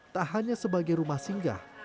tak hanya sebagai rumah singgah